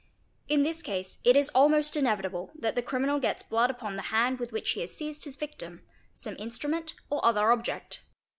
In this case it is almost inevitable that the criminal gets blood upon the hand with which he has seized his victim, some instrument, or other object.